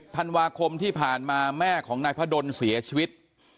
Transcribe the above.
ธันวาคมที่ผ่านมาแม่ของนายพระดนเสียชีวิต